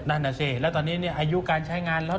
นั่นแหละสิและตอนนี้อายุการใช้งานรถ